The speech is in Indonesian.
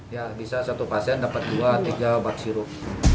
ya bisa satu pasien dapat dua tiga bak sirup